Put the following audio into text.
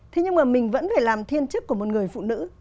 thế nhưng mà mình vẫn phải làm thiên chức của một người phụ nữ